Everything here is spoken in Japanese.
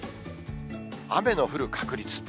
雨の降る確率。